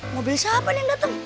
mobil siapa nih yang datang